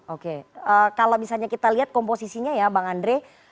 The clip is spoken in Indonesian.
oke kalau misalnya kita lihat komposisinya ya bang andre